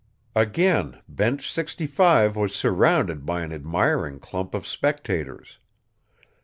Again Bench 65 was surrounded by an admiring clump of spectators.